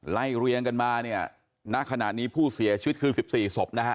เรียงกันมาเนี่ยณขณะนี้ผู้เสียชีวิตคือ๑๔ศพนะฮะ